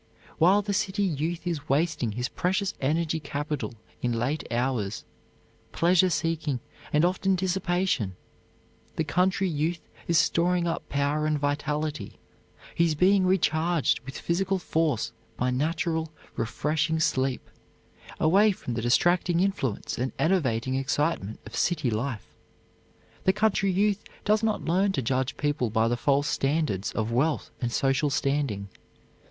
While the city youth is wasting his precious energy capital in late hours, pleasure seeking, and often dissipation, the country youth is storing up power and vitality; he is being recharged with physical force by natural, refreshing sleep, away from the distracting influence and enervating excitement of city life. The country youth does not learn to judge people by the false standards of wealth and social standing.